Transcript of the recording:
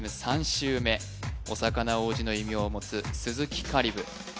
３周目お魚王子の異名を持つ鈴木香里武